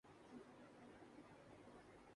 سفارتی سامان کی اڑ میں درامد کی گئی شراب ضبط